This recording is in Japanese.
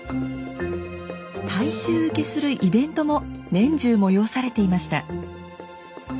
大衆受けするイベントも年中催されていました。